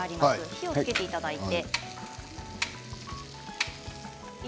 火をつけていただいて。